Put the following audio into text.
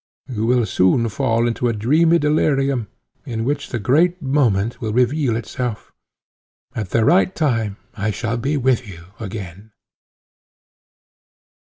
You will soon fall into a dreamy delirium, in which the great moment will reveal itself. At the right time I shall be with you again."